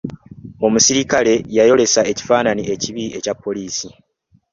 Omuserikale yayolesa ekifaananyi ekibi ekya poliisi.